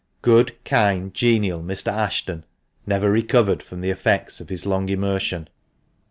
Good, kind, genial Mr. Ashton never recovered from the effects of his long immersion.